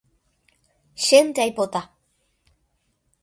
Chénte aipota